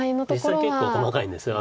実際は結構細かいんです。